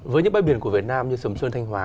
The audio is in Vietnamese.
với những bãi biển của việt nam như sườm xuân thanh hóa